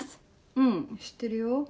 うん知ってるよ。